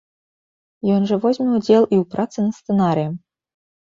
Ён жа возьме удзел і ў працы над сцэнарыем.